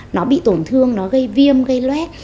nó bị tổn thương nó gây viêm gây loét